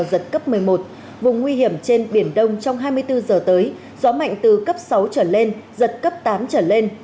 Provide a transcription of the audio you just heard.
giật cấp một mươi một vùng nguy hiểm trên biển đông trong hai mươi bốn giờ tới gió mạnh từ cấp sáu trở lên giật cấp tám trở lên